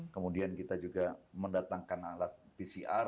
kemudian kita juga mendatangkan alat pcr